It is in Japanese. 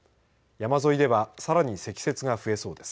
山沿いではさらに積雪が増えそうです。